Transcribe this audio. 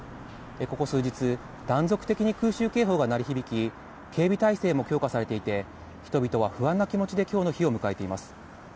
ここ数日、断続的に空襲警報が鳴り響き、警備態勢も強化されていて、人々は不安な気持ちできょうの日を迎えています。